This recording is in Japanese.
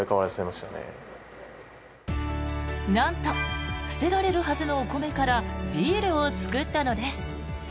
なんと捨てられるはずのお米からビールを造ったのです。